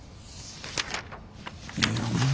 いやもう。